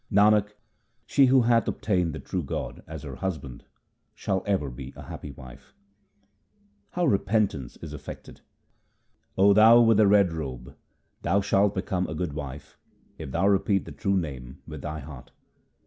Nanak, she who hath obtained the true God as her Hus band, shall ever be a happy wife. How repentance is effected :— O thou with the red robe, 1 thou shalt become a good wife if thou repeat the true Name with thy heart.